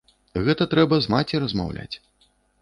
Гэта трэба з маці размаўляць.